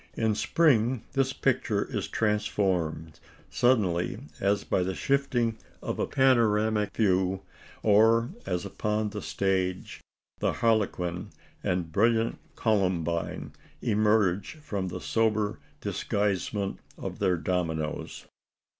In spring this picture is transformed suddenly as by the shifting of a panoramic view; or, as upon the stage, the Harlequin and brilliant Columbine emerge from the sober disguisement of their dominoes.